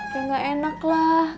ya gak enak lah